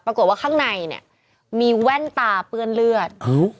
ข้างในเนี่ยมีแว่นตาเปื้อนเลือด